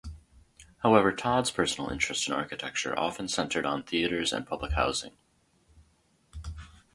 However, Todd's personal interest in architecture often centered on theaters and public housing.